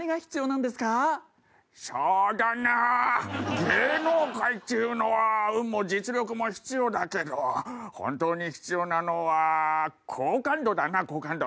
そうだな芸能界っていうのは運も実力も必要だけど本当に必要なのは好感度だな好感度。